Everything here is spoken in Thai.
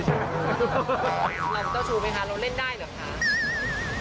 เราต้องชูไปค่ะเราเล่นได้หนึ่งอ่ะคะ